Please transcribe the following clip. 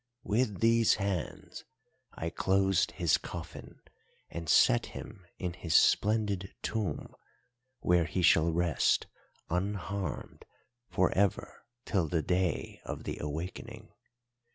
With these hands I closed his coffin and set him in his splendid tomb, where he shall rest unharmed for ever till the day of the awakening.